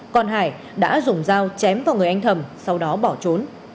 còn hải đã dùng dao chém vào người anh thầm sau đó bỏ trốn